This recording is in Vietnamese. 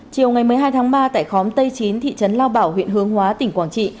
chiều một mươi hai ba tại khóm tây chín thị trấn lao bảo huyện hướng hóa tỉnh quảng trị